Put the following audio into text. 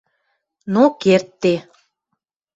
Но кердде.